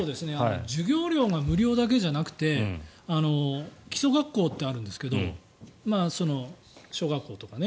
授業料が無料だけじゃなくて基礎学校ってあるんですが小学校とかね。